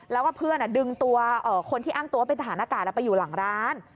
แล้วก็เพื่อนดึงตัวคนที่อ้างตัวว่าเป็นทหารอากาศไปอยู่หลังร้าน